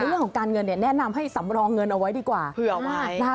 เรื่องของการเงินเนี่ยแนะนำให้สำรองเงินเอาไว้ดีกว่าเผื่อเอาไว้นะคะ